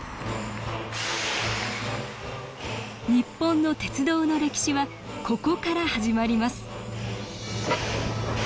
日本の鉄道の歴史はここから始まります